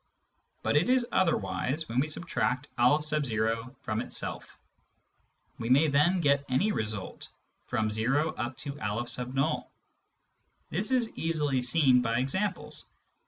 But it is otherwise when we subtract N from itself ; we may then get any result, from o up to N . This is easily seen by examples.